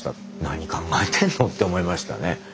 何考えてんの？って思いましたね。